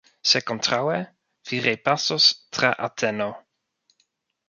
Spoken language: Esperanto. Se kontraŭe, vi repasos tra Ateno!